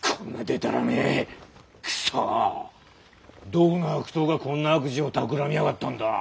どこの悪党がこんな悪事をたくらみやがったんだ？